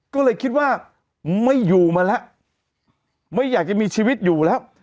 ก็เลยคิดว่าไม่อยู่มาแล้วไม่อยากจะมีชีวิตอยู่แล้ว